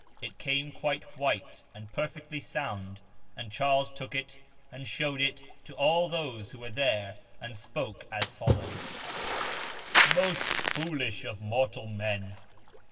It came quite white and perfectly sound and Charles took it and showed it to all those who were there and spoke as follows :—" Most foolish of mortal men